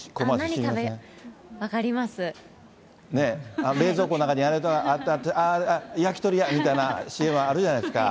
何食べよう、冷蔵庫の中に、あれと、焼き鳥や、みたいなＣＭ、あるじゃないですか。